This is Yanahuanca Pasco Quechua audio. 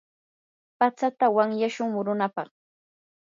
patsata wanyashun murunapaq.